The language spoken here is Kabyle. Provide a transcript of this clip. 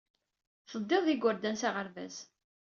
Teddiḍ d yigerdan s aɣerbaz.